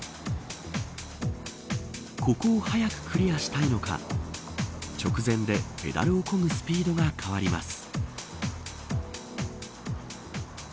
ここを早くクリアしたいのか直前でペダルをこぐスピードが変わります。